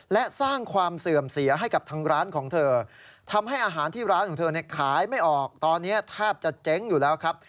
แต่ขายไม่ออกตอนนี้ทาบจะเจ๊งอยู่แล้วครับ